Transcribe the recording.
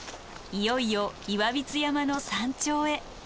いよいよ岩櫃山の山頂へ。